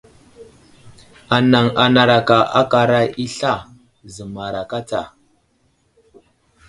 Anaŋ anaraka aka aray i sla, zəmaraka tsa.